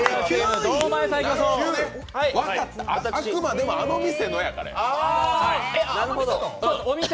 あくまでもあの店でだから。